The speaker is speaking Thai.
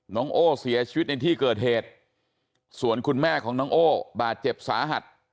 น้องโอ้เสียชีวิตในที่เกิดเหตุส่วนคุณแม่ของน้องโอ้บาดเจ็บสาหัส